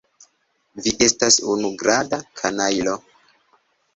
Vi estas unuagrada kanajlo.